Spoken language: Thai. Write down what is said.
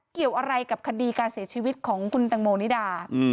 เกี่ยวอะไรกับคดีการเสียชีวิตของคุณตังโมนิดา